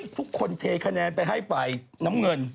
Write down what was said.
ทุกคนเทคะแนนไปให้ฝ่ายน้ำเงิน